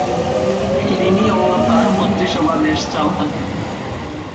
তিনি ও তার মন্ত্রিসভা দেশ চালান।